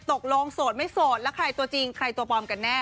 โสดไม่โสดแล้วใครตัวจริงใครตัวปลอมกันแน่